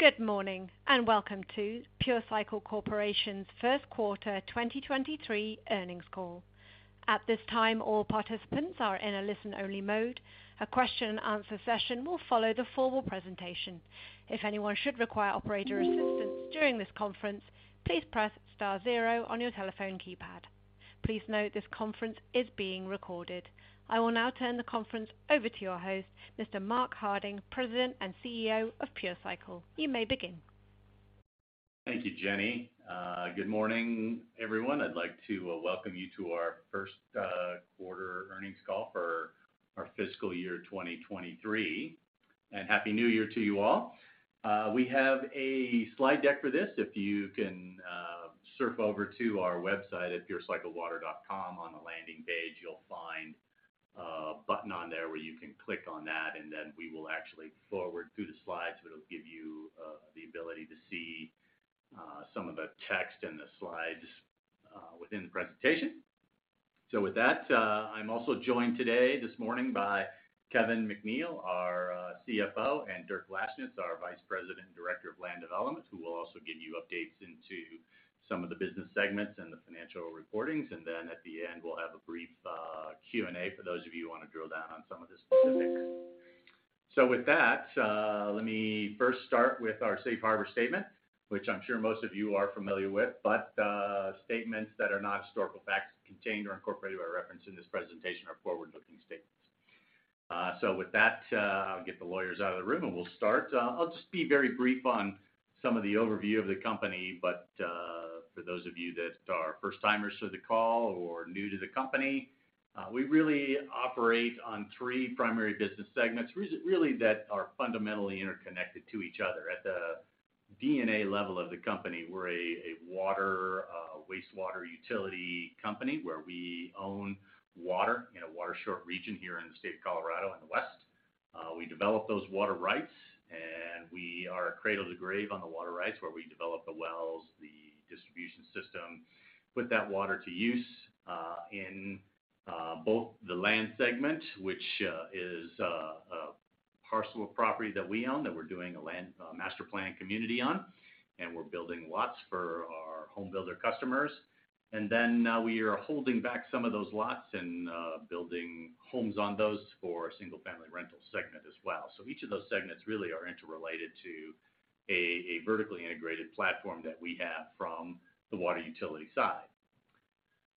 Good morning, and welcome to Pure Cycle Corporation's first quarter 2023 earnings call. At this time, all participants are in a listen-only mode. A question and answer session will follow the formal presentation. If anyone should require operator assistance during this conference, please press star zero on your telephone keypad. Please note this conference is being recorded. I will now turn the conference over to your host, Mr. Mark Harding, President and CEO of Pure Cycle. You may begin. Thank you, Jenny. Good morning, everyone. I'd like to welcome you to our first quarter earnings call for our fiscal year 2023. Happy New Year to you all. We have a slide deck for this. If you can surf over to our website at purecyclewater.com. On the landing page, you'll find a button on there where you can click on that, we will actually forward through the slides, it'll give you the ability to see some of the text in the slides within the presentation. With that, I'm also joined today this morning by Kevin McNeill, our CFO, and Dirk Lashnits, our Vice President and Director of Land Development, who will also give you updates into some of the business segments and the financial reportings. At the end, we'll have a brief Q&A for those of you who want to drill down on some of the specifics. With that, let me first start with our safe harbor statement, which I'm sure most of you are familiar with, but, statements that are not historical facts contained or incorporated by reference in this presentation are forward-looking statements. With that, I'll get the lawyers out of the room, and we'll start. I'll just be very brief on some of the overview of the company, but, for those of you that are first timers to the call or new to the company, we really operate on three primary business segments, really that are fundamentally interconnected to each other. At the DNA level of the company, we're a water, wastewater utility company where we own water in a water-short region here in the state of Colorado in the West. We develop those water rights, and we are cradle to grave on the water rights, where we develop the wells, the distribution system, put that water to use in both the land segment, which is a parcel of property that we own that we're doing a land master plan community on, and we're building lots for our home builder customers. We are holding back some of those lots and building homes on those for a single-family rental segment as well. Each of those segments really are interrelated to a vertically integrated platform that we have from the water utility side.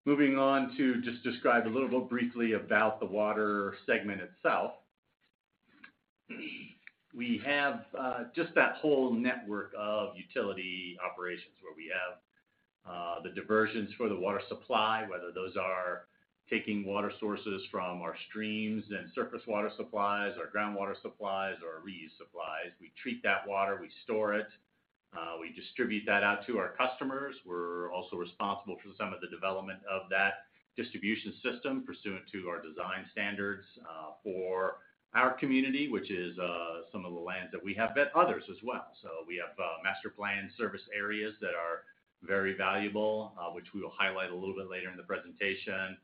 Moving on to just describe a little bit briefly about the water segment itself. We have just that whole network of utility operations where we have the diversions for the water supply, whether those are taking water sources from our streams and surface water supplies or groundwater supplies or reuse supplies. We treat that water. We store it. We distribute that out to our customers. We're also responsible for some of the development of that distribution system pursuant to our design standards for our community, which is some of the lands that we have, but others as well. We have master planned service areas that are very valuable, which we will highlight a little bit later in the presentation.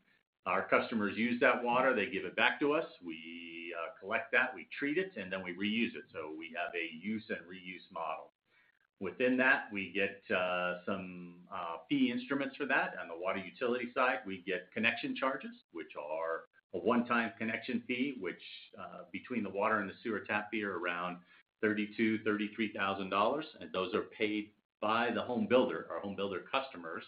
Our customers use that water. They give it back to us. We collect that, we treat it, and then we reuse it. We have a use and reuse model. Within that, we get some fee instruments for that. On the water utility side, we get connection charges, which are a one-time connection fee, which between the water and the sewer tap fee are around $32,000-$33,000. Those are paid by the home builder, our home builder customers.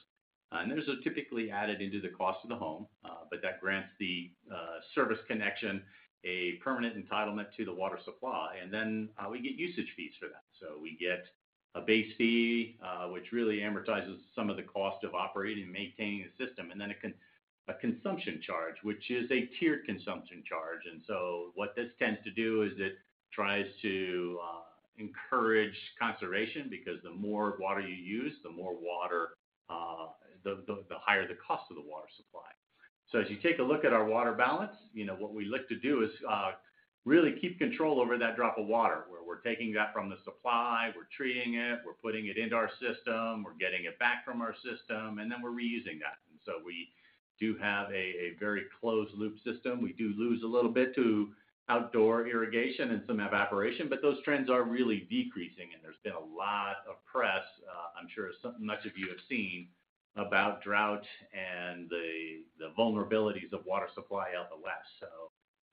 Those are typically added into the cost of the home, but that grants the service connection a permanent entitlement to the water supply. Then we get usage fees for that. We get a base fee, which really amortizes some of the cost of operating and maintaining the system, and then a consumption charge, which is a tiered consumption charge. What this tends to do is it tries to encourage conservation because the more water you use, the more water, the higher the cost of the water supply. As you take a look at our water balance, you know, what we look to do is really keep control over that drop of water, where we're taking that from the supply, we're treating it, we're putting it into our system, we're getting it back from our system, and then we're reusing that. We do have a very closed loop system. We do lose a little bit to outdoor irrigation and some evaporation, but those trends are really decreasing. There's been a lot of press, I'm sure much of you have seen about drought and the vulnerabilities of water supply out the West.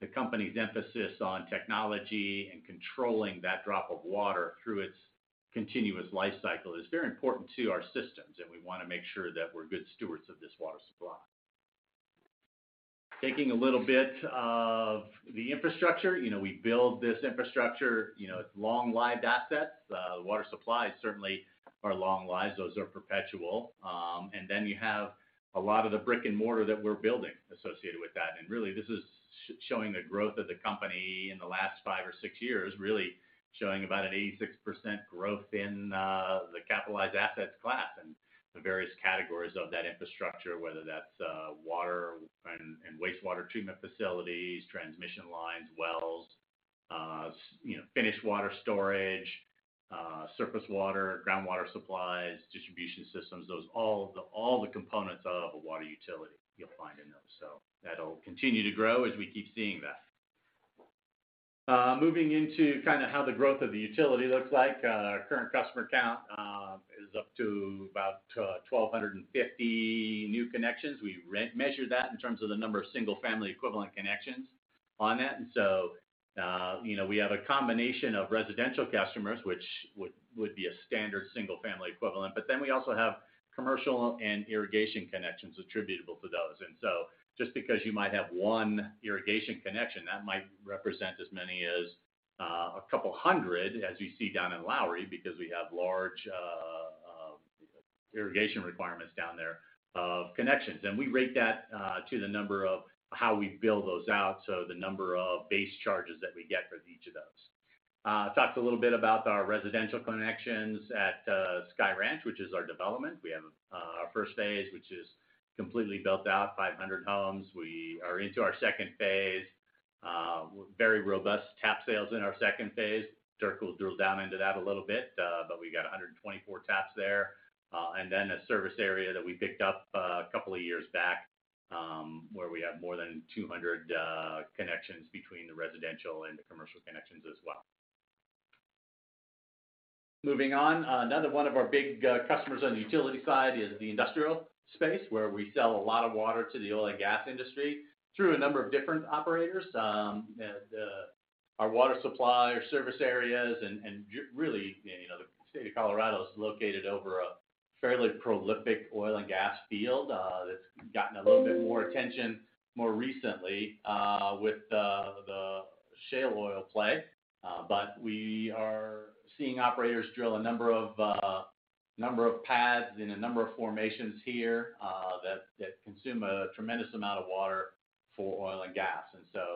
The company's emphasis on technology and controlling that drop of water through its continuous life cycle is very important to our systems, and we wanna make sure that we're good stewards of this water supply. Taking a little bit of the infrastructure. You know, we build this infrastructure, you know, long-lived assets. Water supplies certainly are long lives. Those are perpetual. Then you have a lot of the brick and mortar that we're building associated with that. Really, this is showing the growth of the company in the last 5 or 6 years, really showing about an 86% growth in the capitalized assets class and the various categories of that infrastructure, whether that's water and wastewater treatment facilities, transmission lines, wells, you know, finished water storage, surface water, groundwater supplies, distribution systems, those, all the, all the components of a water utility you'll find in those. That'll continue to grow as we keep seeing that. Moving into kind of how the growth of the utility looks like, our current customer count is up to about 1,250 new connections. We measure that in terms of the number of single-family equivalent connections on that. You know, we have a combination of residential customers, which would be a standard single-family equivalent. We also have commercial and irrigation connections attributable to those. Just because you might have one irrigation connection, that might represent as many as a couple of hundred, as you see down in Lowry, because we have large irrigation requirements down there of connections. We rate that to the number of how we build those out, so the number of base charges that we get for each of those. Talked a little bit about our residential connections at Sky Ranch, which is our development. We have our first phase, which is completely built out, 500 homes. We are into our second phase. Very robust tap sales in our second phase. Dirk will drill down into that a little bit. We got 124 taps there. A service area that we picked up a couple of years back, where we have more than 200 connections between the residential and the commercial connections as well. Moving on. Another one of our big customers on the utility side is the industrial space, where we sell a lot of water to the oil and gas industry through a number of different operators. Our water supply or service areas and really, you know, the state of Colorado is located over a fairly prolific oil and gas field that's gotten a little bit more attention more recently with the shale oil play. We are seeing operators drill a number of, number of pads in a number of formations here, that consume a tremendous amount of water for oil and gas.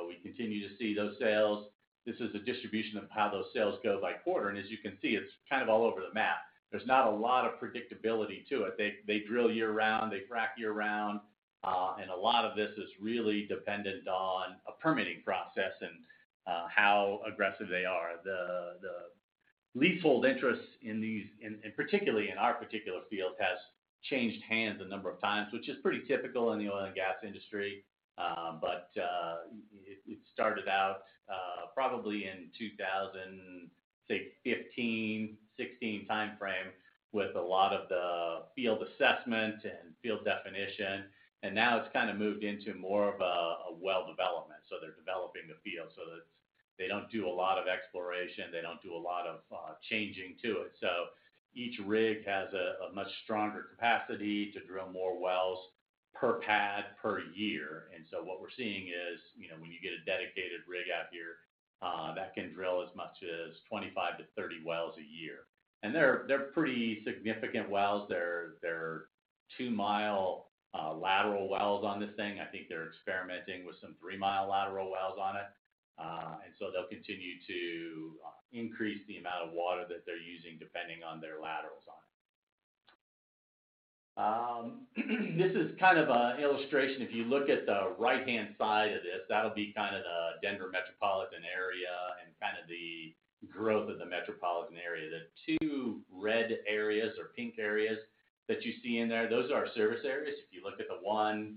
We continue to see those sales. This is a distribution of how those sales go by quarter. As you can see, it's kind of all over the map. There's not a lot of predictability to it. They drill year-round, they frack year-round, and a lot of this is really dependent on a permitting process and, how aggressive they are. The leasehold interest in these, particularly in our particular field has changed hands a number of times, which is pretty typical in the oil and gas industry. It started out, probably in 2015, 2016 timeframe with a lot of the field assessment and field definition, and now it's kind of moved into more of a well development. They're developing the field so that they don't do a lot of exploration, they don't do a lot of changing to it. Each rig has a much stronger capacity to drill more wells per pad per year. What we're seeing is, you know, when you get a dedicated rig out here, that can drill as much as 25 to 30 wells a year. They're pretty significant wells. They're 2-mile, lateral wells on this thing. I think they're experimenting with some 3-mile lateral wells on it. They'll continue to increase the amount of water that they're using depending on their laterals on it. This is kind of an illustration. If you look at the right-hand side of this, that'll be kind of the Denver metropolitan area and kind of the growth of the metropolitan area. The two red areas or pink areas that you see in there, those are our service areas. If you look at the one,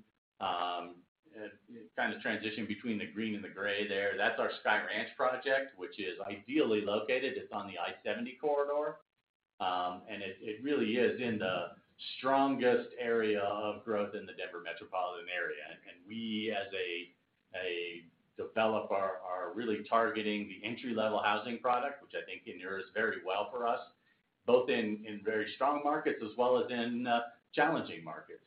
kind of transition between the green and the gray there, that's our Sky Ranch project, which is ideally located. It's on the I-70 corridor, and it really is in the strongest area of growth in the Denver metropolitan area. We, as a developer, are really targeting the entry-level housing product, which I think mirrors very well for us, both in very strong markets as well as in challenging markets.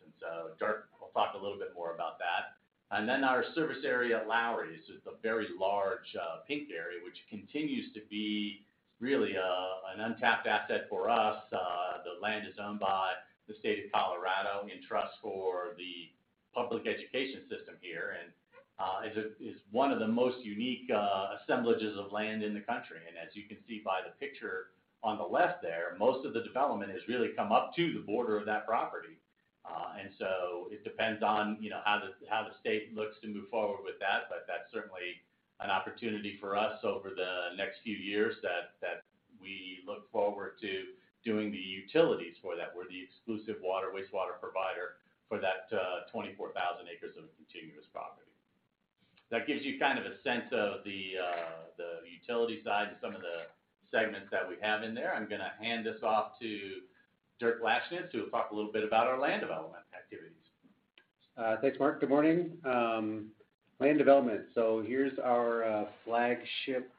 Dirk will talk a little bit more about that. Our service area at Lowry. This is the very large pink area, which continues to be really an untapped asset for us. The land is owned by the state of Colorado in trust for the public education system here and is one of the most unique assemblages of land in the country. As you can see by the picture on the left there, most of the development has really come up to the border of that property. It depends on, you know, how the state looks to move forward with that, but that's certainly an opportunity for us over the next few years that we look forward to doing the utilities for that. We're the exclusive water, wastewater provider for that, 24,000 acres of contiguous property. That gives you kind of a sense of the utility side and some of the segments that we have in there. I'm gonna hand this off to Dirk Lashnits, who will talk a little bit about our land development activities. Thanks, Mark. Good morning. Land development. Here's our flagship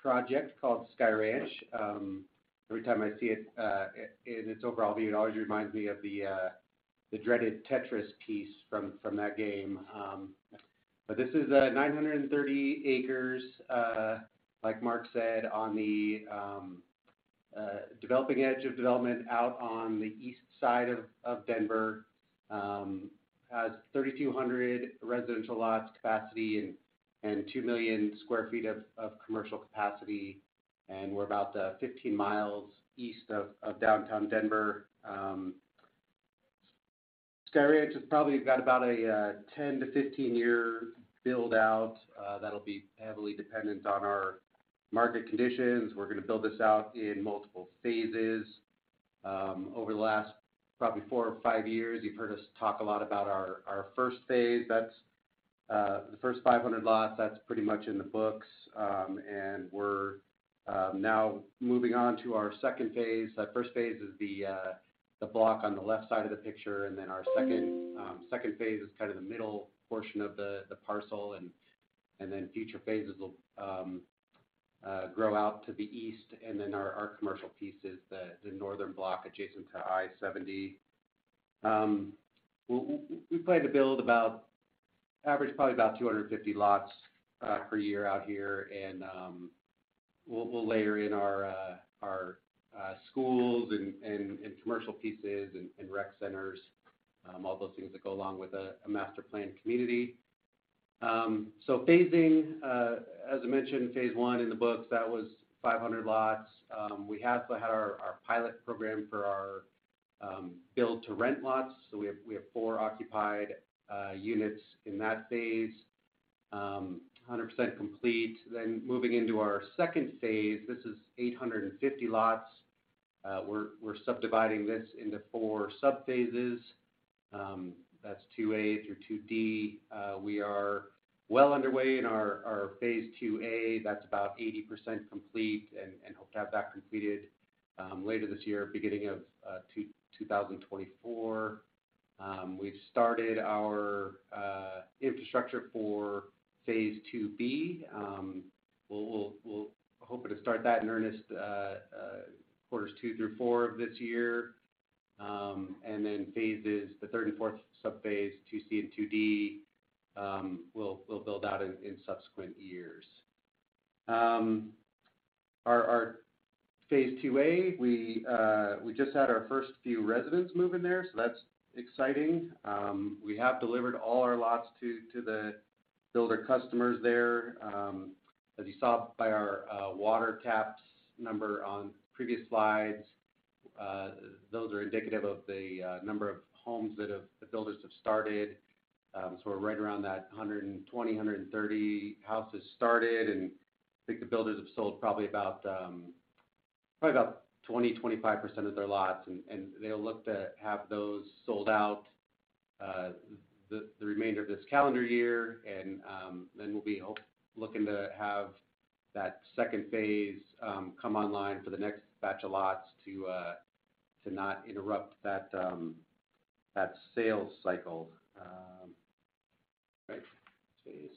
project called Sky Ranch. Every time I see it, in its overall view, it always reminds me of the dreaded Tetris piece from that game. This is 930 acres, like Mark said, on the developing edge of development out on the east side of Denver, has 3,200 residential lots capacity and 2 million sq ft of commercial capacity, and we're about 15 mi east of downtown Denver. Sky Ranch has probably got about a 10-15-year build-out that'll be heavily dependent on our market conditions. We're gonna build this out in multiple phases. Over the last probably 4 or 5 years, you've heard us talk a lot about our first phase. That's the first 500 lots. That's pretty much in the books. We're now moving on to our second phase. That first phase is the block on the left side of the picture. Then our second phase is kind of the middle portion of the parcel. Then future phases will grow out to the east. Then our commercial piece is the northern block adjacent to I-70. We plan to build about average probably about 250 lots per year out here. We'll layer in our schools and commercial pieces and rec centers, all those things that go along with a master planned community. Phasing, as I mentioned, phase I in the books, that was 500 lots. We have also had our pilot program for our build-to-rent lots. We have four occupied units in that phase, 100% complete. Moving into our second phase, this is 850 lots. We're subdividing this into four sub-phases. That's IIA through IID. We are well underway in our phase IIA. That's about 80% complete, and hope to have that completed later this year, beginning of 2024. We've started our infrastructure for phase IIB. We're hoping to start that in earnest, quarters two through four of this year. Phases, the third and fourth sub-phase, phase IIC and phase IID, we'll build out in subsequent years. Our phase IIA, we just had our first few residents move in there, that's exciting. We have delivered all our lots to the builder customers there. As you saw by our water taps number on previous slides, those are indicative of the number of homes the builders have started. We're right around that 120, 130 houses started. I think the builders have sold probably about 20%-25% of their lots. They'll look to have those sold out the remainder of this calendar year. We'll be looking to have that second phase come online for the next batch of lots to not interrupt that sales cycle. All right. Next phase.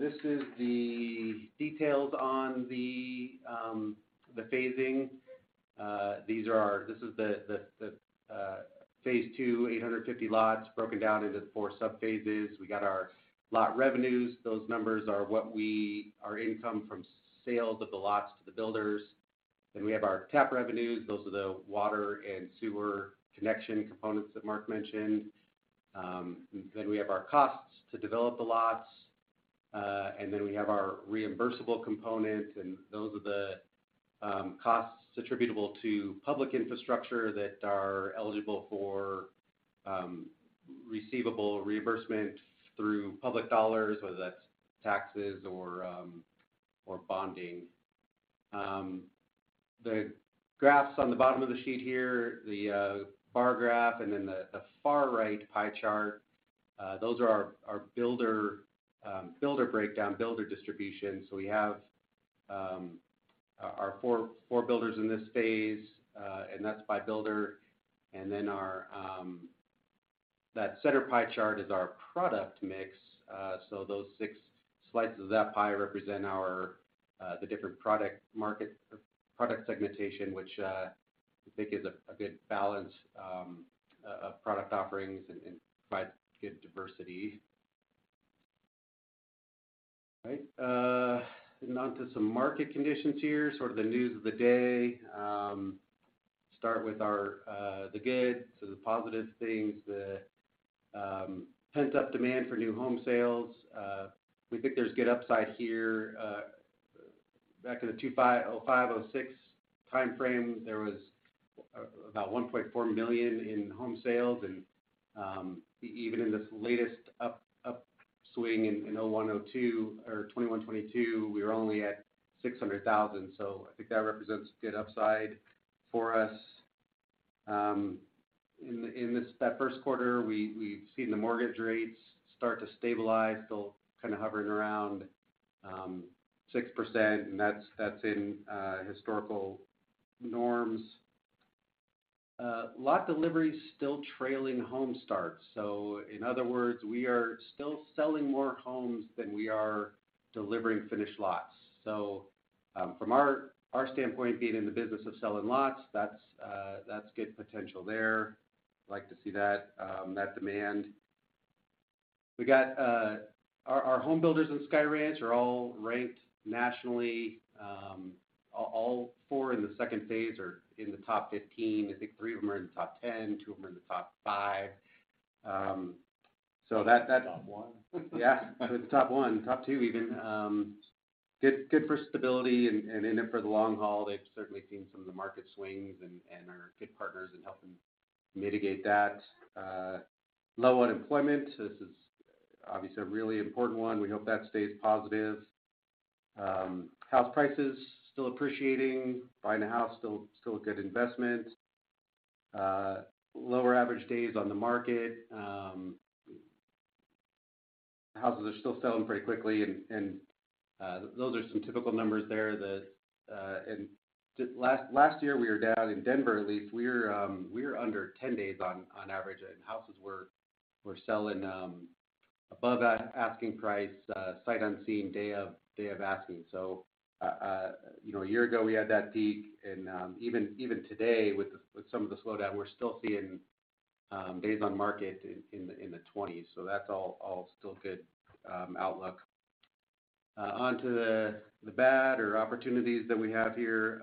This is the details on the phasing. This is the phase II, 850 lots broken down into the four sub-phases. We got our lot revenues. Those numbers are what our income from sales of the lots to the builders. We have our tap revenues. Those are the water and sewer connection components that Mark mentioned. We have our costs to develop the lots. We have our reimbursable component, and those are the costs attributable to public infrastructure that are eligible for receivable reimbursement through public dollars, whether that's taxes or or bonding. The graphs on the bottom of the sheet here, the bar graph and then the far right pie chart, those are our builder breakdown, builder distribution. We have our four builders in this phase, and that's by builder. Our that center pie chart is our product mix. Those six slices of that pie represent our the different product market, product segmentation, which we think is a good balance of product offerings and provides good diversity. All right. Onto some market conditions here, sort of the news of the day. Start with our the good, the positive things. The pent-up demand for new home sales, we think there's good upside here. Back in the 2005, 2006 timeframe, there was about 1.4 million in home sales. Even in this latest upswing in 2001, 2002, or 2021, 2022, we were only at 600,000. I think that represents good upside for us. In this, that first quarter, we've seen the mortgage rates start to stabilize, still kind of hovering around 6%, and that's in historical norms. Lot delivery is still trailing home starts. In other words, we are still selling more homes than we are delivering finished lots. From our standpoint, being in the business of selling lots, that's good potential there. Like to see that demand. We got our home builders in Sky Ranch are all ranked nationally. All four in the second phase are in the top 15. I think three of them are in the top 10, two of them are in the top five. Yeah. Top one. Top two even good for stability and in it for the long haul. They've certainly seen some of the market swings and are good partners in helping mitigate that low unemployment. This is. Obviously, a really important one. We hope that stays positive. House prices still appreciating. Buying a house, still a good investment. Lower average days on the market. Houses are still selling pretty quickly and those are some typical numbers there that. Just last year we were down, in Denver at least, we were under 10 days on average, and houses were selling above asking price, sight unseen, day of asking. You know, a year ago we had that peak and even today with some of the slowdown, we're still seeing days on market in the 20s. That's all still good outlook. Onto the bad or opportunities that we have here.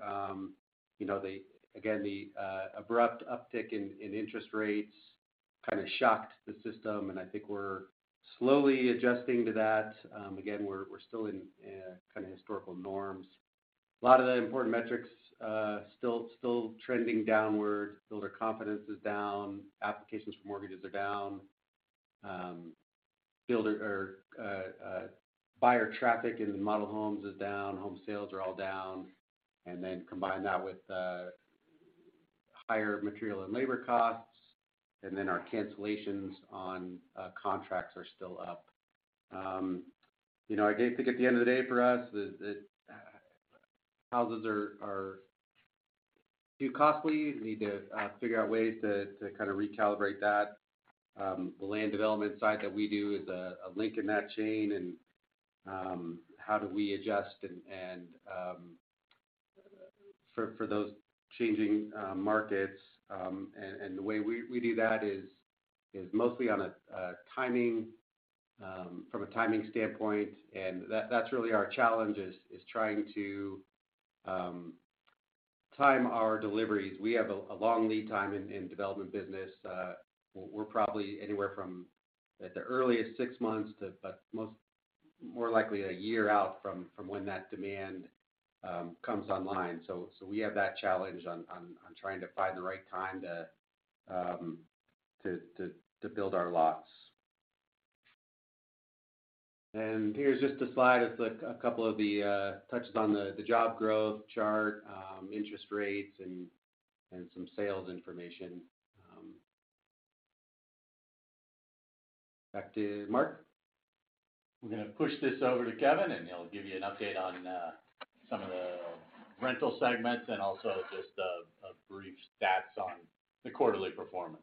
You know, the. Again, the abrupt uptick in interest rates kind of shocked the system, and I think we're slowly adjusting to that. Again, we're still in kind of historical norms. A lot of the important metrics still trending downward. Builder confidence is down. Applications for mortgages are down. Builder or buyer traffic in the model homes is down. Home sales are all down. Combine that with higher material and labor costs, and then our cancellations on contracts are still up. You know, I think at the end of the day for us is that houses are too costly. We need to figure out ways to kind of recalibrate that. The land development side that we do is a link in that chain and, how do we adjust and, for those changing markets. The way we do that is mostly on a timing, from a timing standpoint. That's really our challenge is trying to time our deliveries. We have a long lead time in development business. We're probably anywhere from at the earliest 6 months to, but most more likely 1 year out from when that demand comes online. We have that challenge on trying to find the right time to build our lots. Here's just a slide with a couple of the touches on the job growth chart, interest rates and some sales information. Back to Mark. We're gonna push this over to Kevin. He'll give you an update on some of the rental segments and also just a brief stats on the quarterly performance.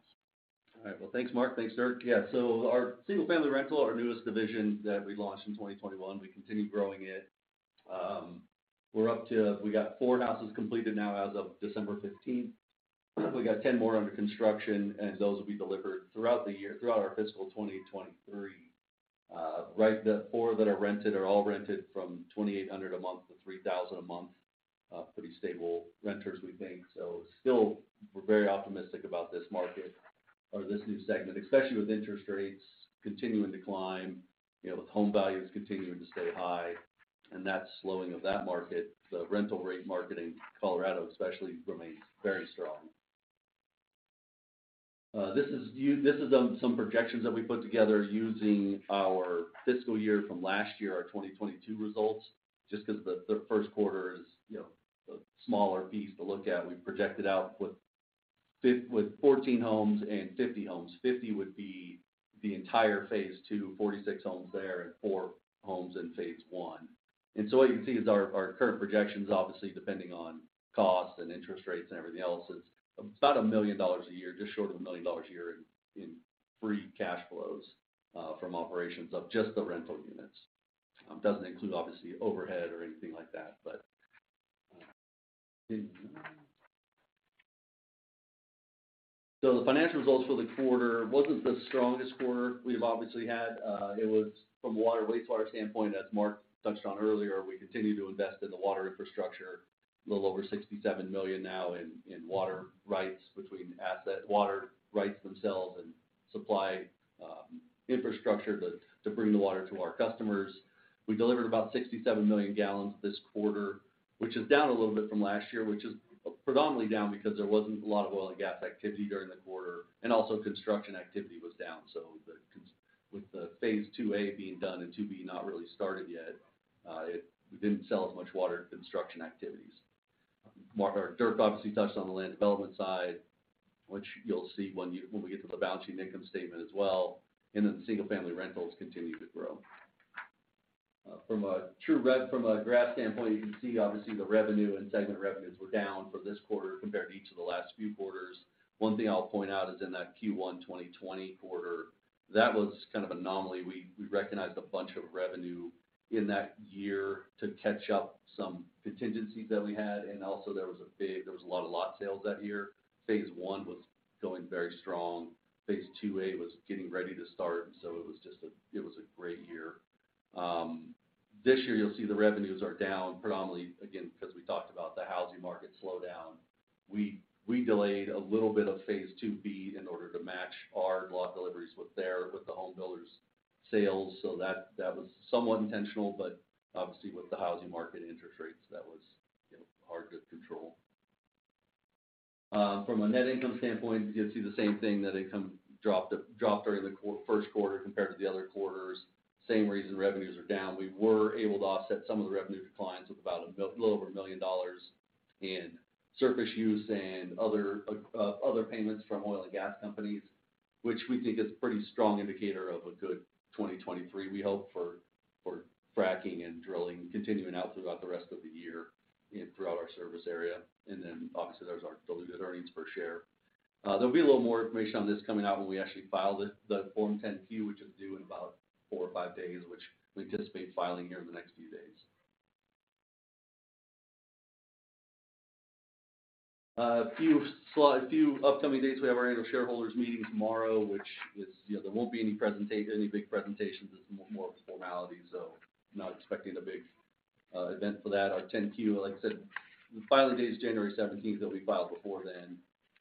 All right. Well, thanks, Mark. Thanks, Dirk. Yeah. Our single-family rental, our newest division that we launched in 2021, we continue growing it. We got four houses completed now as of December 15th. We got 10 more under construction, and those will be delivered throughout the year, throughout our fiscal 2023. Right, the four that are rented are all rented from $2,800-$3,000 a month. Pretty stable renters, we think. Still, we're very optimistic about this market or this new segment, especially with interest rates continuing to climb, you know, with home values continuing to stay high and that slowing of that market. The rental rate market in Colorado especially remains very strong. This is some projections that we put together using our fiscal year from last year, our 2022 results. Just 'cause the first quarter is, you know, the smaller piece to look at. We projected out with with 14 homes and 50 homes. 50 would be the entire phase II, 46 homes there and four homes in phase I. What you can see is our current projections, obviously depending on costs and interest rates and everything else, it's about $1 million a year, just short of $1 million a year in free cash flows from operations of just the rental units. Doesn't include obviously overhead or anything like that, but. The financial results for the quarter wasn't the strongest quarter we've obviously had. It was from water, wastewater standpoint, as Mark touched on earlier, we continue to invest in the water infrastructure. A little over $67 million now in water rights between asset water rights themselves and supply infrastructure to bring the water to our customers. We delivered about 67 million gallons this quarter, which is down a little bit from last year, which is predominantly down because there wasn't a lot of oil and gas activity during the quarter, and also construction activity was down. With the phase IIa being done and IIB not really started yet, we didn't sell as much water to construction activities. Mark or Dirk obviously touched on the land development side, which you'll see when we get to the balance sheet and income statement as well. Then the single-family rentals continue to grow. From a true. From a graph standpoint, you can see obviously the revenue and segment revenues were down for this quarter compared to each of the last few quarters. One thing I'll point out is in that Q1 2020 quarter, that was kind of anomaly. We recognized a bunch of revenue in that year to catch up some contingencies that we had, and also there was a lot of lot sales that year. phase I was going very strong. phase IIA was getting ready to start. It was a great year. This year you'll see the revenues are down predominantly again, 'cause we talked about the housing market slowdown. We delayed a little bit of phase IIB in order to match our lot deliveries with the home builders' sales. That was somewhat intentional, but obviously with the housing market interest rates, that was, you know, hard to control. From a net income standpoint, it gives you the same thing, that income dropped during the first quarter compared to the other quarters. Same reason revenues are down. We were able to offset some of the revenue declines with about a little over $1 million in surface use and other payments from oil and gas companies, which we think is a pretty strong indicator of a good 2023, we hope, for fracking and drilling continuing out throughout the rest of the year and throughout our service area. Obviously, there's our diluted earnings per share. There'll be a little more information on this coming out when we actually file the Form 10-Q, which is due in about 4 or 5 days, which we anticipate filing here in the next few days. A few upcoming dates. We have our annual shareholders meeting tomorrow, which is, you know, there won't be any big presentations. It's more of a formality. Not expecting a big event for that. Our 10-Q, like I said, the filing date is January 17th, it'll be filed before then.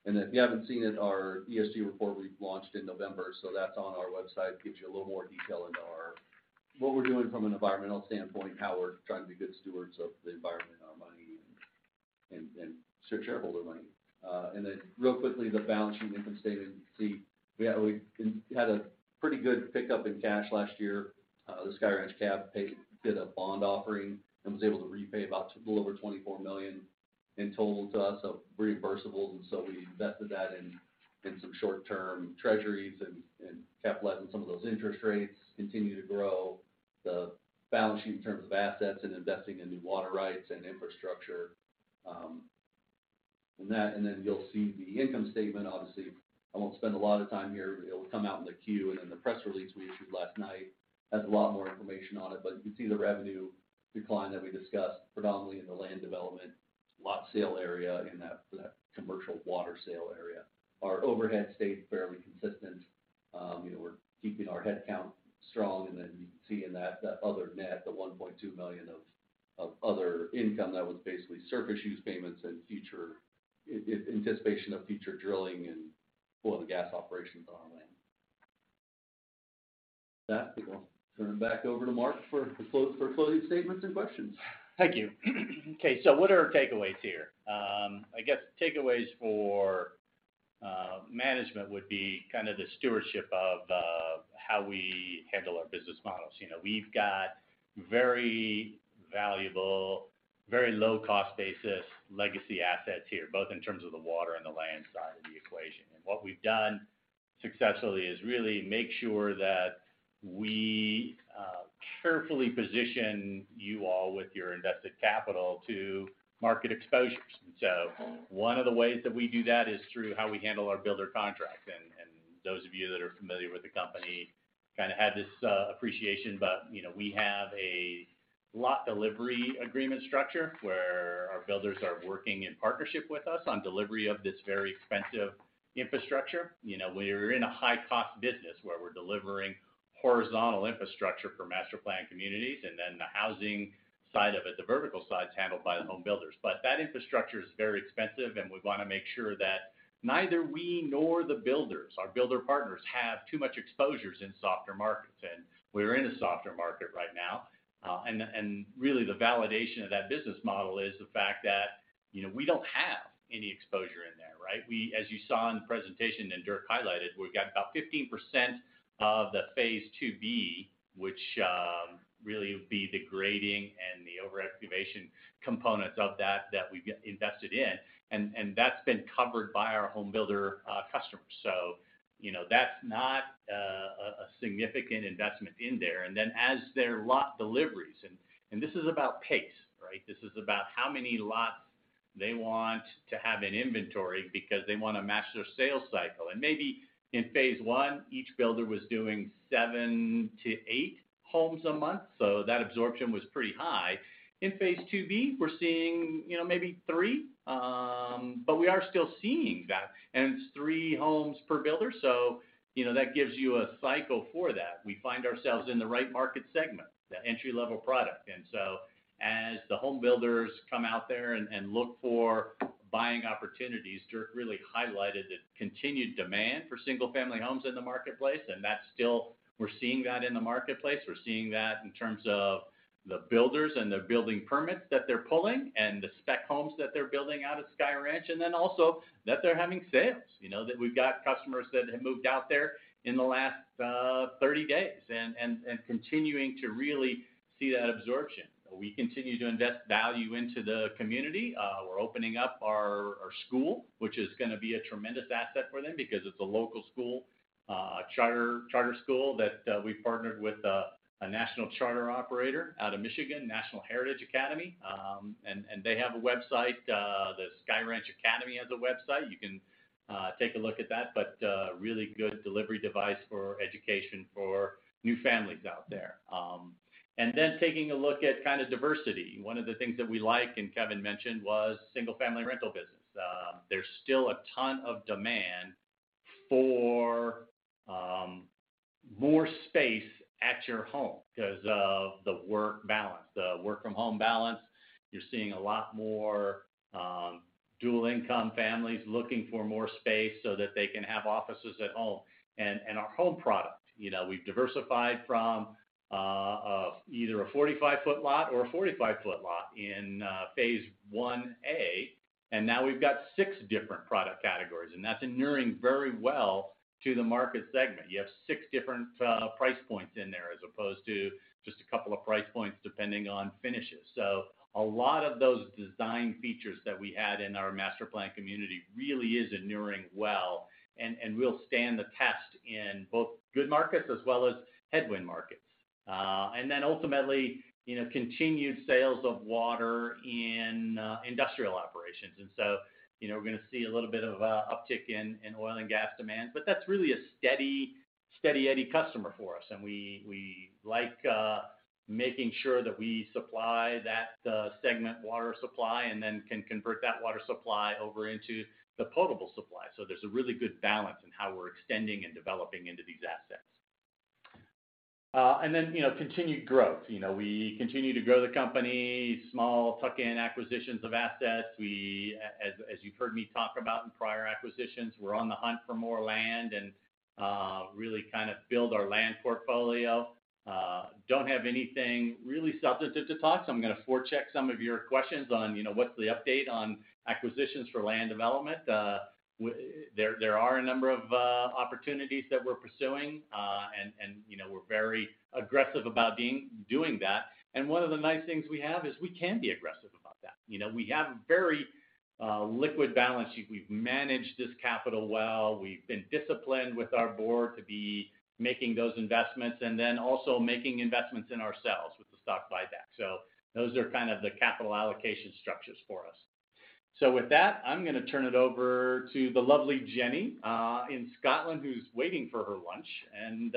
If you haven't seen it, our ESG report we've launched in November. That's on our website. Gives you a little more detail into our what we're doing from an environmental standpoint, how we're trying to be good stewards of the environment and our money and shareholder money. Real quickly, the balance sheet, income statement. You can see we had a pretty good pickup in cash last year. The Sky Ranch CAB did a bond offering and was able to repay about a little over $24 million in total to us of reimbursables, and so we invested that in some short-term Treasuries and kept letting some of those interest rates continue to grow. The balance sheet in terms of assets and investing in new water rights and infrastructure, and that. You'll see the income statement. Obviously, I won't spend a lot of time here, but it'll come out in the Q. The press release we issued last night has a lot more information on it. You can see the revenue decline that we discussed predominantly in the land development, lot sale area and that commercial water sale area. Our overhead stayed fairly consistent. you know, we're keeping our head count strong. Then you can see in that other net, the $1.2 million of other income that was basically surface use payments and future in anticipation of future drilling and oil and gas operations on our land. We will turn it back over to Mark for closing statements and questions. Thank you. Okay, so what are our takeaways here? I guess takeaways for management would be kind of the stewardship of how we handle our business models. You know, we've got very valuable, very low cost basis legacy assets here, both in terms of the water and the land side of the equation. What we've done successfully is really make sure that we carefully position you all with your invested capital to market exposures. So one of the ways that we do that is through how we handle our builder contracts. Those of you that are familiar with the company kind of had this appreciation. You know, we have a lot delivery agreement structure where our builders are working in partnership with us on delivery of this very expensive infrastructure. You know, we're in a high cost business where we're delivering horizontal infrastructure for master planned communities, and then the housing side of it, the vertical side is handled by the home builders. That infrastructure is very expensive, and we want to make sure that neither we nor the builders, our builder partners, have too much exposures in softer markets. And we're in a softer market right now. And really the validation of that business model is the fact that, you know, we don't have any exposure in there, right? We as you saw in the presentation and Dirk highlighted, we've got about 15% of the phase IIB, which really would be the grading and the over-excavation components of that we've invested in. That's been covered by our home builder, customers. You know, that's not a significant investment in there. As their lot deliveries, this is about pace, right? This is about how many lots they want to have in inventory because they want to match their sales cycle. Maybe in phase I, each builder was doing 7-8 homes a month, so that absorption was pretty high. In phase IIB we're seeing, you know, maybe three. We are still seeing that. It's three homes per builder, you know, that gives you a cycle for that. We find ourselves in the right market segment, the entry level product. As the home builders come out there and look for buying opportunities, Dirk really highlighted the continued demand for single-family homes in the marketplace. We're seeing that in the marketplace. We're seeing that in terms of the builders and the building permits that they're pulling and the spec homes that they're building out at Sky Ranch, and then also that they're having sales. You know, that we've got customers that have moved out there in the last 30 days and continuing to really see that absorption. We continue to invest value into the community. We're opening up our school, which is gonna be a tremendous asset for them because it's a local school, a charter school that we've partnered with a national charter operator out of Michigan, National Heritage Academies. And they have a website, the Sky Ranch Academy has a website. You can take a look at that, but really good delivery device for education for new families out there. Taking a look at kind of diversity. One of the things that we like, and Kevin mentioned, was single-family rental business. There's still a ton of demand for more space at your home because of the work balance, the work from home balance. You're seeing a lot more, dual income families looking for more space so that they can have offices at home. Our home product, you know, we've diversified from, either a 45-ft lot or a 45-ft lot in phase IA, and now we've got six different product categories, and that's enduring very well to the market segment. You have six different price points in there as opposed to just a couple of price points depending on finishes. A lot of those design features that we had in our master plan community really is enduring well and will stand the test in both good markets as well as headwind markets. Ultimately, you know, continued sales of water in industrial operations. You know, we're gonna see a little bit of uptick in oil and gas demand, but that's really a steady Eddie customer for us, and we like making sure that we supply that segment water supply and then can convert that water supply over into the potable supply. There's a really good balance in how we're extending and developing into these assets. You know, continued growth. You know, we continue to grow the company, small tuck-in acquisitions of assets. As you've heard me talk about in prior acquisitions, we're on the hunt for more land and really kind of build our land portfolio. Don't have anything really substantive to talk, I'm gonna forecheck some of your questions on, you know, what's the update on acquisitions for land development. There are a number of opportunities that we're pursuing, and, you know, we're very aggressive about doing that. One of the nice things we have is we can be aggressive about that. You know, we have very liquid balance sheet. We've managed this capital well. We've been disciplined with our board to be making those investments also making investments in ourselves with the stock buyback. Those are kind of the capital allocation structures for us. With that, I'm gonna turn it over to the lovely Jenny, in Scotland, who's waiting for her lunch, and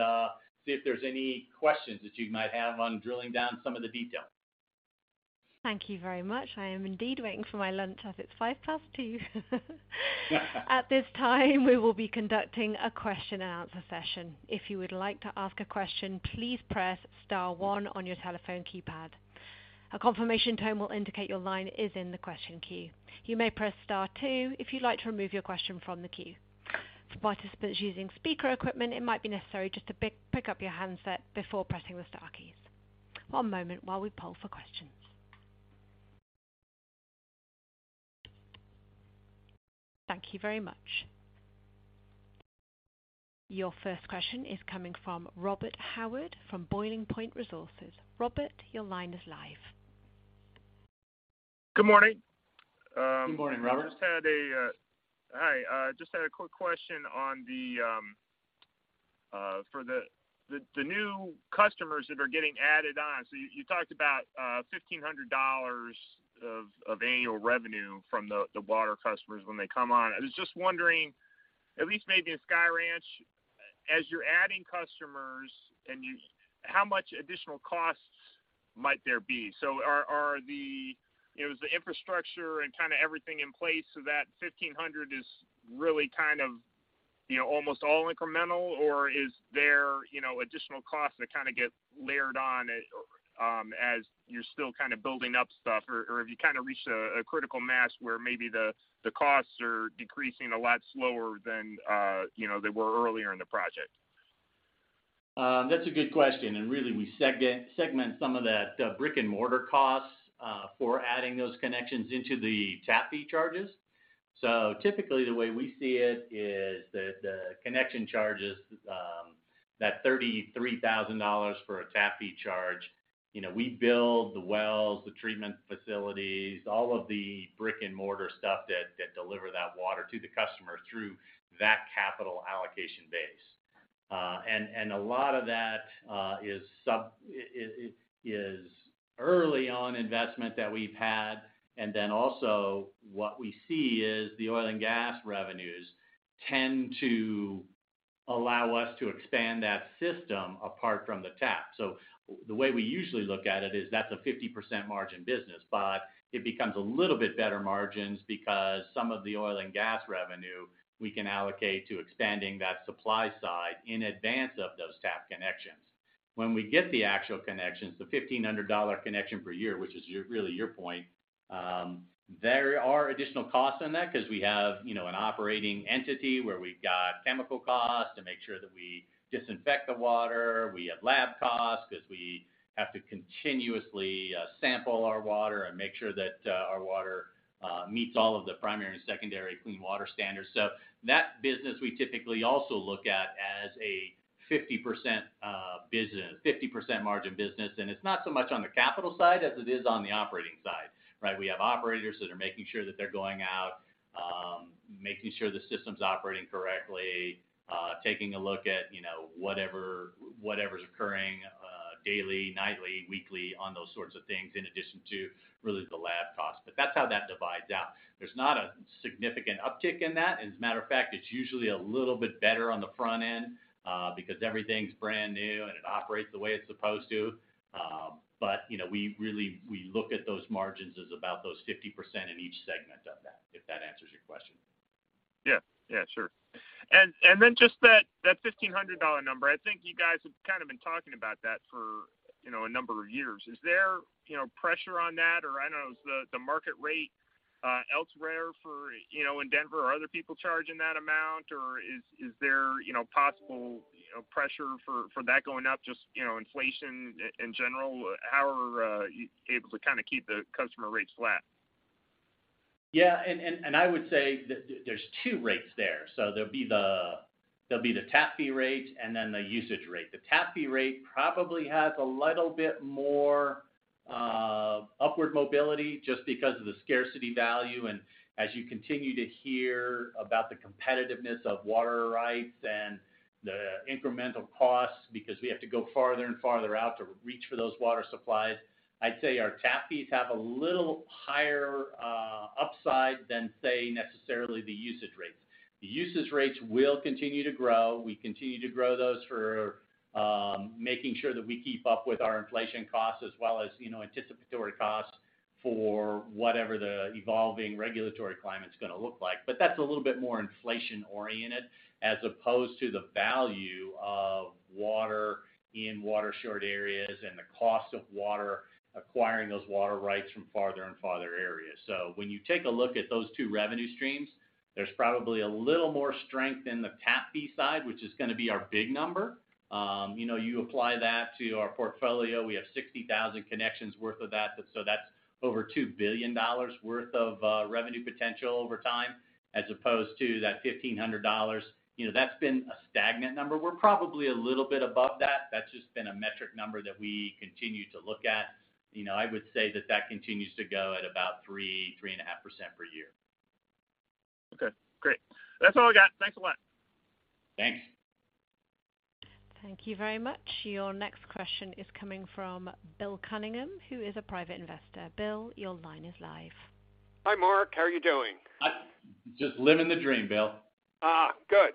see if there's any questions that you might have on drilling down some of the detail. Thank you very much. I am indeed waiting for my lunch as it's 2:05 P.M. At this time, we will be conducting a question and answer session. If you would like to ask a question, please press star one on your telephone keypad. A confirmation tone will indicate your line is in the question queue. You may press star two if you'd like to remove your question from the queue. For participants using speaker equipment, it might be necessary just to pick up your handset before pressing the star keys. One moment while we poll for questions. Thank you very much. Your first question is coming from Robert Howard from Boiling Point Resources. Robert, your line is live. Good morning. Good morning, Robert. Hi, I just had a quick question on the for the new customers that are getting added on. You talked about $1,500 of annual revenue from the water customers when they come on. I was just wondering, at least maybe in Sky Ranch, as you're adding customers, how much additional costs might there be? Are the, you know, is the infrastructure and kinda everything in place so that $1,500 is really kind of, you know, almost all incremental, or is there, you know, additional costs that kinda get layered on as you're still kind of building up stuff? Have you kind of reached a critical mass where maybe the costs are decreasing a lot slower than, you know, they were earlier in the project? That's a good question, really we segment some of that, brick and mortar costs, for adding those connections into the tap fee charges. Typically, the way we see it is that the connection charges, that $33,000 for a tap fee charge, you know, we build the wells, the treatment facilities, all of the brick and mortar stuff that deliver that water to the customer through that capital allocation base. A lot of that is early on investment that we've had. Then also what we see is the oil and gas revenues tend to allow us to expand that system apart from the tap. The way we usually look at it is that's a 50% margin business, but it becomes a little bit better margins because some of the oil and gas revenue we can allocate to expanding that supply side in advance of those tap connections. When we get the actual connections, the $1,500 connection per year, which is really your point, there are additional costs in that 'cause we have, you know, an operating entity where we've got chemical costs to make sure that we disinfect the water. We have lab costs 'cause we have to continuously sample our water and make sure that our water meets all of the primary and secondary clean water standards. That business, we typically also look at as a 50% business, 50% margin business, and it's not so much on the capital side as it is on the operating side, right? We have operators that are making sure that they're going out, making sure the system's operating correctly, taking a look at, you know, whatever's occurring, daily, nightly, weekly on those sorts of things in addition to really the lab cost. That's how that divides out. There's not a significant uptick in that. As a matter of fact, it's usually a little bit better on the front end, because everything's brand new, and it operates the way it's supposed to. You know, we really, we look at those margins as about those 50% in each segment of that, if that answers your question. Yeah. Yeah, sure. Just that $1,500 number, I think you guys have kind of been talking about that for, you know, a number of years. Is there, you know, pressure on that? Or I don't know, is the market rate, elsewhere for, you know, in Denver, are other people charging that amount? Or is there, you know, possible, you know, pressure for that going up just, you know, inflation in general? How are you able to kind of keep the customer rates flat? Yeah. I would say that there's two rates there. There'll be the tap fee rate and then the usage rate. The tap fee rate probably has a little bit more upward mobility just because of the scarcity value. As you continue to hear about the competitiveness of water rights and the incremental costs, because we have to go farther and farther out to reach for those water supplies, I'd say our tap fees have a little higher upside than, say, necessarily the usage rates. The usage rates will continue to grow. We continue to grow those for making sure that we keep up with our inflation costs as well as, you know, anticipatory costs for whatever the evolving regulatory climate's gonna look like. That's a little bit more inflation oriented as opposed to the value of water in water-short areas and the cost of water acquiring those water rights from farther and farther areas. When you take a look at those two revenue streams, there's probably a little more strength in the tap fee side, which is gonna be our big number. You know, you apply that to our portfolio, we have 60,000 connections worth of that. That's over $2 billion worth of revenue potential over time, as opposed to that $1,500. You know, that's been a stagnant number. We're probably a little bit above that. That's just been a metric number that we continue to look at. You know, I would say that that continues to go at about 3.5% per year. Okay, great. That's all I got. Thanks a lot. Thanks. Thank you very much. Your next question is coming from Bill Cunningham, who is a private investor. Bill, your line is live. Hi, Mark. How are you doing? Just living the dream, Bill. Good.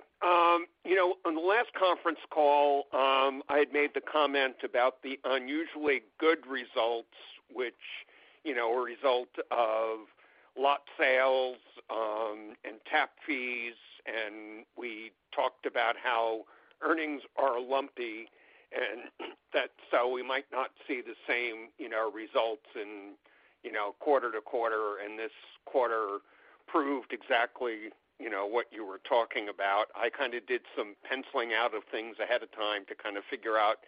You know, on the last conference call, I had made the comment about the unusually good results, which, you know, were a result of lot sales, and tap fees, and we talked about how earnings are lumpy and that so we might not see the same, you know, results in, you know, quarter to quarter. This quarter proved exactly, you know, what you were talking about. I kind of did some penciling out of things ahead of time to kind of figure out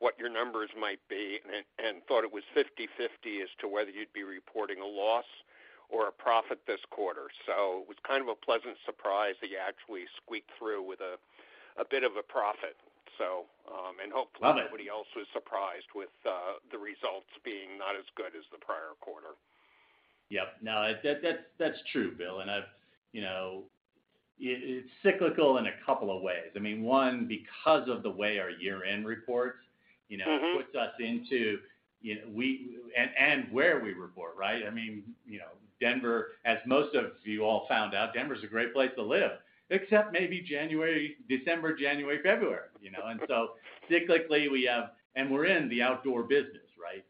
what your numbers might be and thought it was 50/50 as to whether you'd be reporting a loss or a profit this quarter. It was kind of a pleasant surprise that you actually squeaked through with a bit of a profit. Hopefully nobody else was surprised with, the results being not as good as the prior quarter. Yep. No, that's true, Bill. You know, it's cyclical in a couple of ways. I mean, one, because of the way our year-end reports, you know puts us into. You know, where we report, right? I mean, you know, Denver, as most of you all found out, Denver is a great place to live, except maybe January, December, January, February, you know? cyclically, we're in the outdoor business, right?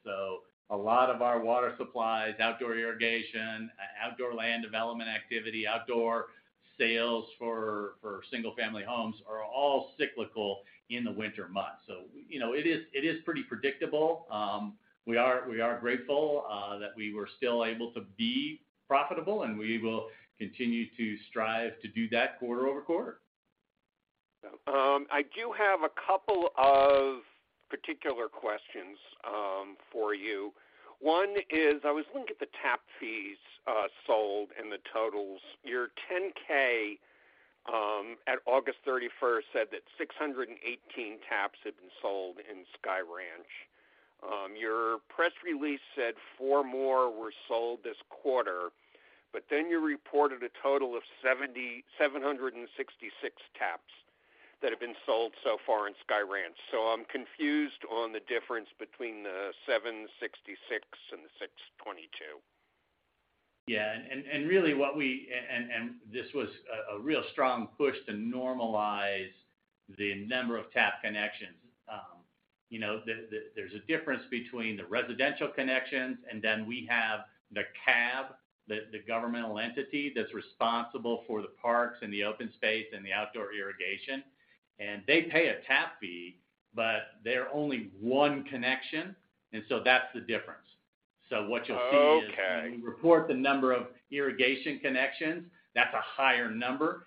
A lot of our water supplies, outdoor irrigation, outdoor land development activity, outdoor sales for single-family homes are all cyclical in the winter months. You know, it is pretty predictable. We are grateful that we were still able to be profitable, we will continue to strive to do that quarter-over-quarter. I do have a couple of particular questions for you. One is, I was looking at the tap fees sold and the totals. Your Form 10-K at August 31st said that 618 taps had been sold in Sky Ranch. Your press release said four more were sold this quarter, you reported a total of 766 taps that have been sold so far in Sky Ranch. I'm confused on the difference between the 766 and the 622. Yeah. Really what we. This was a real strong push to normalize the number of tap connections. You know, there's a difference between the residential connections, and then we have the CAB, the governmental entity that's responsible for the parks and the open space and the outdoor irrigation. They pay a tap fee, but they're only one connection, and so that's the difference. What you'll see is when we report the number of irrigation connections, that's a higher number.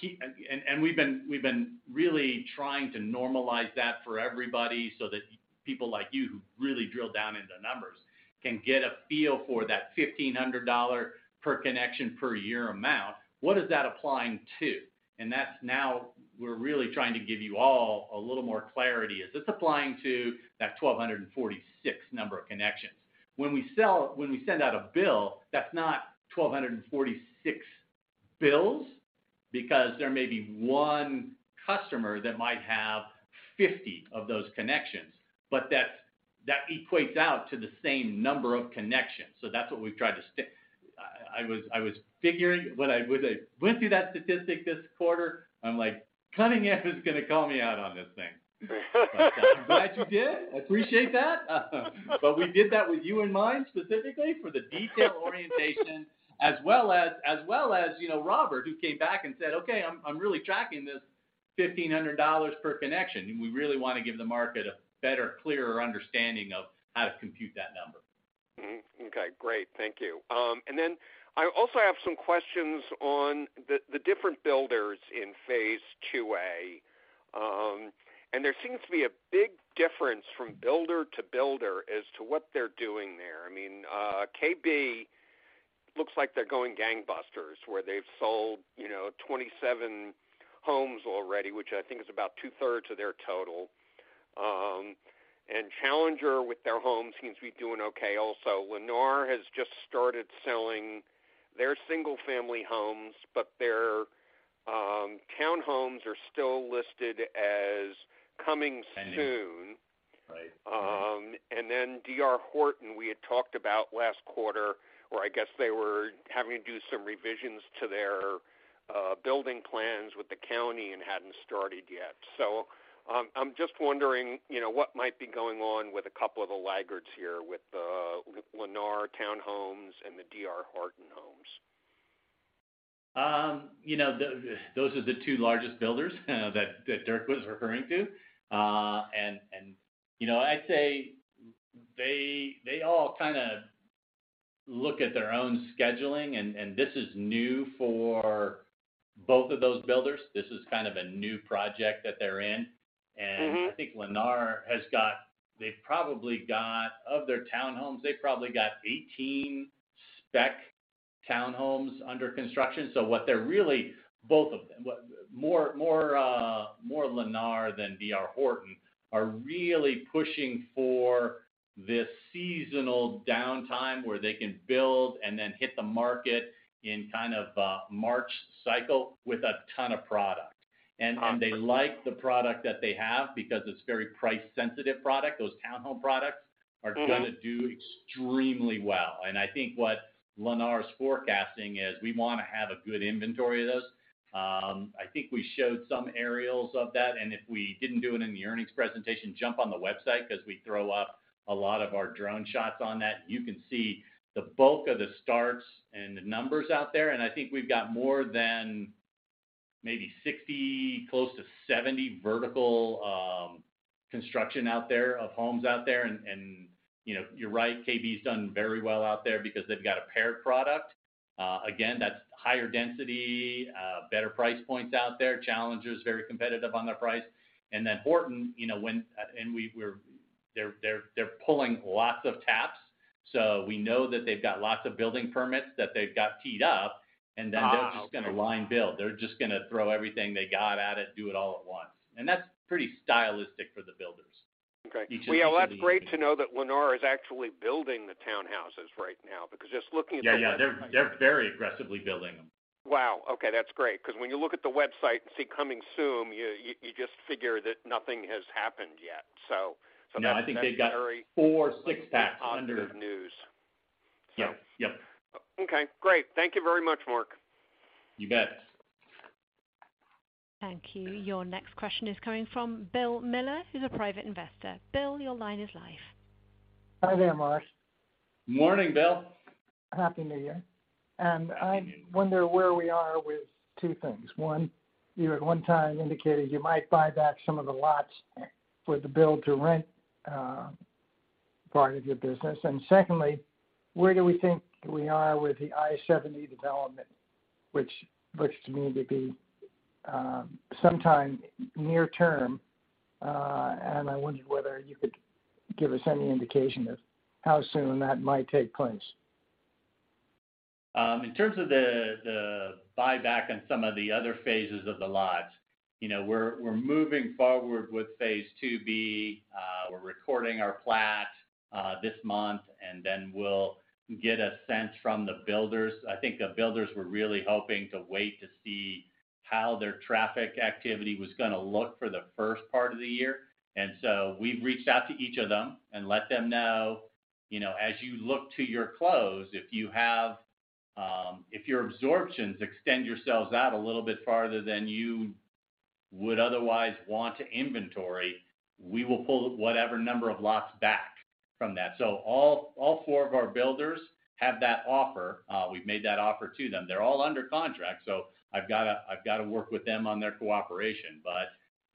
We've been really trying to normalize that for everybody so that people like you who really drill down in the numbers can get a feel for that $1,500 per connection per year amount. What is that applying to? That's now we're really trying to give you all a little more clarity. Is this applying to that 1,246 number of connections? When we send out a bill, that's not 1,246 bills because there may be one customer that might have 50 of those connections. That equates out to the same number of connections. That's what we've tried to stick. I was figuring. When I went through that statistic this quarter, I'm like, "Cunningham is gonna call me out on this thing." I'm glad you did. I appreciate that. We did that with you in mind, specifically for the detail orientation, as well as, you know, Robert, who came back and said, "Okay, I'm really tracking this." $1,500 per connection. We really wanna give the market a better, clearer understanding of how to compute that number. Okay, great. Thank you. Then I also have some questions on the different builders in phase IIA. There seems to be a big difference from builder to builder as to what they're doing there. I mean, KB looks like they're going gangbusters, where they've sold, you know, 27 homes already, which I think is about two-thirds of their total. Challenger with their homes seems to be doing okay also. Lennar has just started selling their single-family homes, but their townhomes are still listed as coming soon. D.R. Horton, we had talked about last quarter, or I guess they were having to do some revisions to their building plans with the county and hadn't started yet. I'm just wondering, you know, what might be going on with a couple of the laggards here with the, with Lennar Townhomes and the D.R. Horton homes. You know, those are the two largest builders, that Dirk was referring to. You know, I'd say they all kinda look at their own scheduling, and this is new for both of those builders. This is kind of a new project that they're in. Mm-hmm. I think Lennar has got. They've probably got, of their townhomes, they've probably got 18 spec townhomes under construction. What they're really, both of them, more Lennar than D.R. Horton, are really pushing for this seasonal downtime where they can build and then hit the market in kind of a March cycle with a ton of product. Okay. They like the product that they have because it's very price-sensitive product. Those townhome products are gonna do extremely well. I think what Lennar's forecasting is we wanna have a good inventory of those. If we didn't do it in the earnings presentation, jump on the website 'cause we throw up a lot of our drone shots on that. You can see the bulk of the starts and the numbers out there. I think we've got more than maybe 60, close to 70 vertical construction out there, of homes out there. You know, you're right, KB's done very well out there because they've got a paired product. Again, that's higher density, better price points out there. Challenger is very competitive on their price. Then Horton, you know, when they're pulling lots of taps, so we know that they've got lots of building permits that they've got teed up. Okay. They're just gonna line build. They're just gonna throw everything they got at it, do it all at once. That's pretty stylistic for the builders. Okay. Each of these. Well, that's great to know that Lennar is actually building the townhouses right now, because just looking at the website. Yeah. They're very aggressively building them. Wow. Okay, that's great because when you look at the website and see coming soon, you just figure that nothing has happened yet. No, I think they've got four six-packs under. That's very, very positive news. So. Yep. Yep. Okay, great. Thank you very much, Mark. You bet. Thank you. Your next question is coming from Bill Miller, who's a private investor. Bill, your line is live. Hi there, Mark. Morning, Bill. Happy New Year. Happy New Year. I wonder where we are with two things. One, you at one time indicated you might buy back some of the lots for the build-to-rent part of your business. Secondly, where do we think we are with the I-70 development, which looks to me to be sometime near term. I wondered whether you could give us any indication of how soon that might take place. In terms of the buyback and some of the other phases of the lots, you know, we're moving forward with phase IIB. We're recording our plat this month, then we'll get a sense from the builders. I think the builders were really hoping to wait to see how their traffic activity was gonna look for the first part of the year. We've reached out to each of them and let them know, you know, as you look to your close, if your absorptions extend yourselves out a little bit farther than you would otherwise want to inventory, we will pull whatever number of lots back from that. All four of our builders have that offer. We've made that offer to them. They're all under contract, so I've gotta work with them on their cooperation.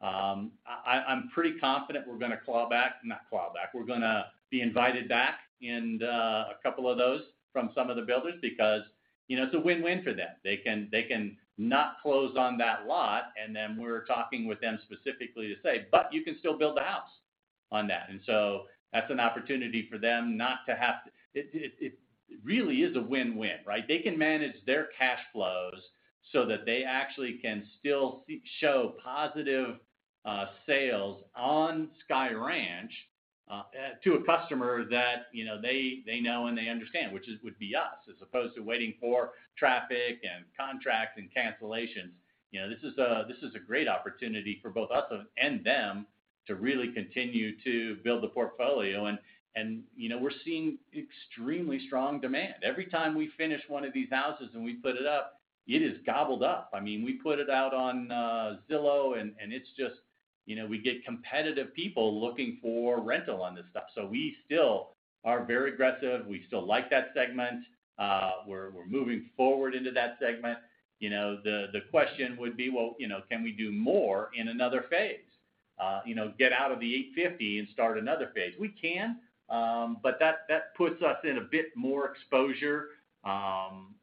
I'm pretty confident we're gonna claw back. Not claw back. We're gonna be invited back in a couple of those from some of the builders because, you know, it's a win-win for them. They can not close on that lot, and then we're talking with them specifically to say, "But you can still build a house on that." That's an opportunity for them not to have to. It really is a win-win, right? They can manage their cash flows so that they actually can still show positive sales on Sky Ranch to a customer that, you know, they know and they understand, which would be us, as opposed to waiting for traffic and contracts and cancellations. You know, this is, this is a great opportunity for both us and them to really continue to build the portfolio. You know, we're seeing extremely strong demand. Every time we finish one of these houses and we put it up, it is gobbled up. I mean, we put it out on Zillow. You know, we get competitive people looking for rental on this stuff. We still are very aggressive. We still like that segment. We're moving forward into that segment. You know, the question would be, well, you know, can we do more in another phase? You know, get out of the 850 and start another phase. We can, but that puts us in a bit more exposure,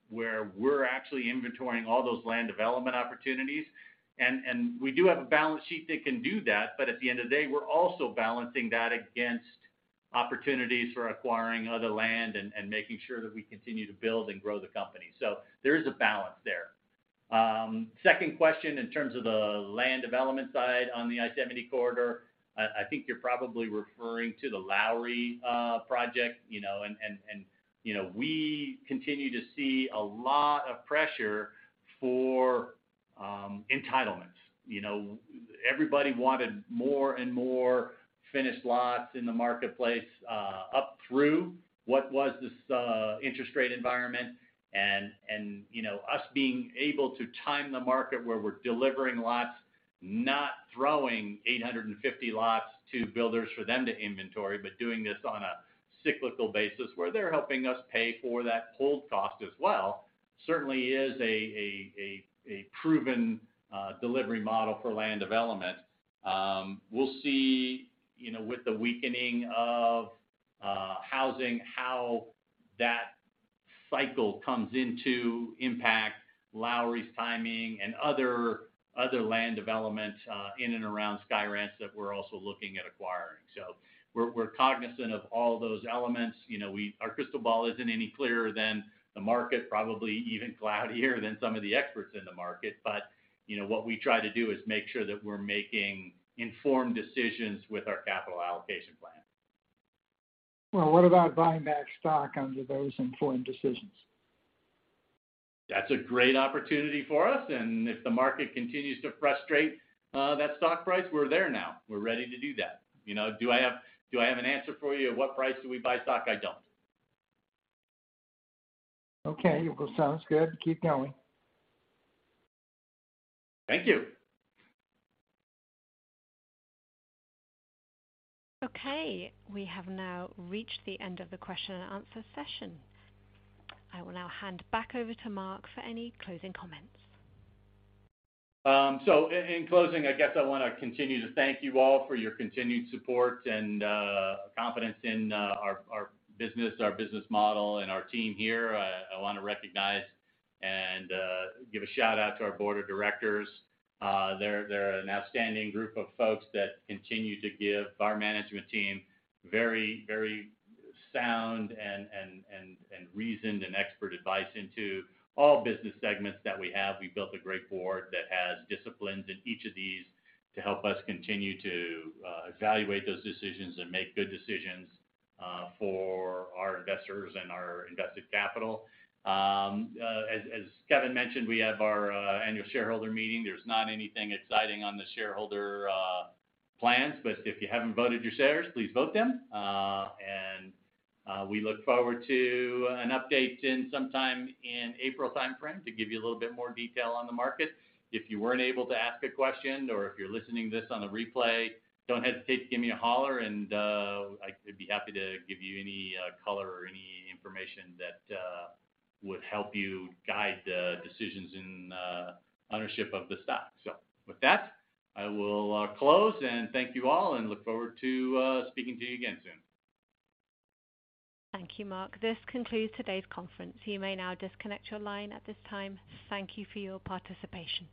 where we're actually inventorying all those land development opportunities. We do have a balance sheet that can do that. At the end of the day, we're also balancing that against opportunities for acquiring other land and making sure that we continue to build and grow the company. There is a balance there. Second question, in terms of the land development side on the I-70 corridor, I think you're probably referring to the Lowry project. You know, we continue to see a lot of pressure for entitlements. You know, everybody wanted more and more finished lots in the marketplace up through what was this interest rate environment. You know, us being able to time the market where we're delivering lots, not throwing 850 lots to builders for them to inventory, but doing this on a cyclical basis where they're helping us pay for that hold cost as well, certainly is a proven delivery model for land development. We'll see, you know, with the weakening of housing, how that cycle comes into impact Lowry's timing and other land developments in and around Sky Ranch that we're also looking at acquiring. We're cognizant of all those elements. You know, our crystal ball isn't any clearer than the market, probably even cloudier than some of the experts in the market. You know, what we try to do is make sure that we're making informed decisions with our capital allocation plan. Well, what about buying back stock under those informed decisions? That's a great opportunity for us. If the market continues to frustrate that stock price, we're there now. We're ready to do that. You know, do I have an answer for you at what price do we buy stock? I don't. Okay, sounds good. Keep going. Thank you. Okay. We have now reached the end of the question and answer session. I will now hand back over to Mark for any closing comments. In closing, I guess I wanna continue to thank you all for your continued support and confidence in our business, our business model, and our team here. I wanna recognize and give a shout-out to our board of directors. They're an outstanding group of folks that continue to give our management team very sound and reasoned and expert advice into all business segments that we have. We've built a great board that has disciplines in each of these to help us continue to evaluate those decisions and make good decisions for our investors and our invested capital. As Kevin mentioned, we have our annual shareholder meeting. There's not anything exciting on the shareholder plans, but if you haven't voted your shares, please vote them. We look forward to an update in sometime in April timeframe to give you a little bit more detail on the market. If you weren't able to ask a question or if you're listening to this on the replay, don't hesitate to give me a holler, and, I could be happy to give you any color or any information that would help you guide the decisions in ownership of the stock. With that, I will close and thank you all and look forward to speaking to you again soon. Thank you, Mark. This concludes today's conference. You may now disconnect your line at this time. Thank you for your participation.